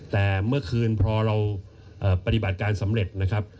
แต่เมื่อคืนพอเราปฏิบัติการสำเร็จนะครับ